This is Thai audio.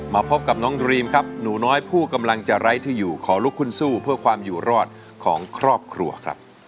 พบกับน้องดรีมครับหนูน้อยผู้กำลังจะไร้ที่อยู่ขอลุกขึ้นสู้เพื่อความอยู่รอดของครอบครัวครับ